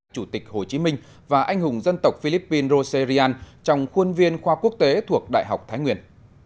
chủ tịch hồ chí minh và anh hùng dân tộc philippines roserian trong khuôn viên khoa quốc tế thuộc đại học thái nguyên